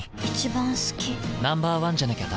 Ｎｏ．１じゃなきゃダメだ。